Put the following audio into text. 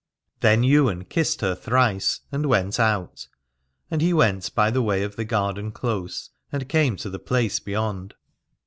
Then Ywain kissed her thrice and went out : and he went by the way of the garden close and came to the place beyond.